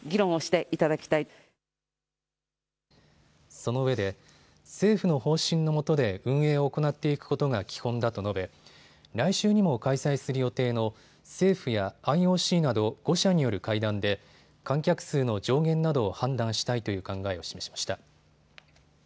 そのうえで政府の方針のもとで運営を行っていくことが基本だと述べ、来週にも開催する予定の政府やＩＯＣなど５者による会談で観客数の上限などを判断したいという考えを示しました。